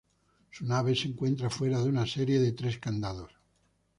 Su nave se encuentra fuera de una serie de tres candados.